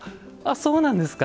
そうなんですか。